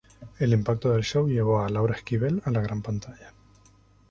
El impacto del show llevó a Laura Esquivel a la gran pantalla.